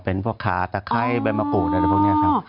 เป็นพวกขาตะไคร้ใบมะกรูดอะไรพวกนี้ครับ